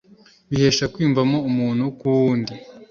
bihesha kwiyumvamo umuntu kuwundi